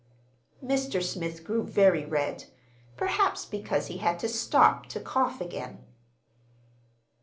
Mr. Smith grew very red—perhaps because he had to stop to cough again.